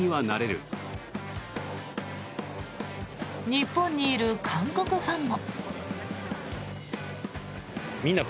日本にいる韓国ファンも。